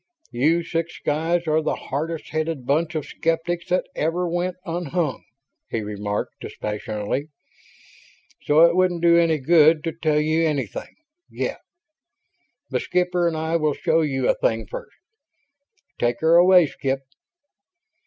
"You six guys are the hardest headed bunch of skeptics that ever went unhung," he remarked, dispassionately. "So it wouldn't do any good to tell you anything yet. The skipper and I will show you a thing first. Take her away, Skip."